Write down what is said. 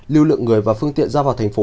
lưu lượng người và phương tiện ra vào thành phố